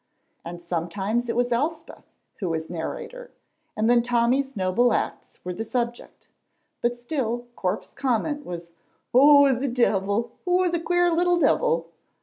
and sometimes it was Elspeth who was narrator, and then Tommy's noble acts were the subject; but still Corp's comment was "Oh, the deevil! oh, the queer little deevil!"